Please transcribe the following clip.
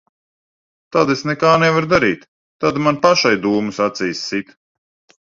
Tad es nekā nevaru darīt. Tad man pašai dūmus acīs sit.